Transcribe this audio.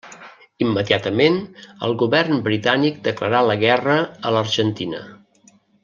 Immediatament el govern britànic declarà la guerra a l'Argentina.